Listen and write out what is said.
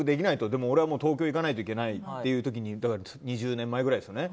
でも、俺は東京に行かないといけないという時２０年前ぐらいですよね。